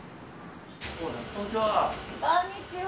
こんにちは。